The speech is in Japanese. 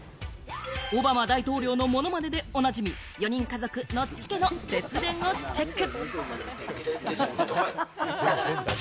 オバマ大統領のものまねでおなじみ４人家族のノッチ家の節電をチェック。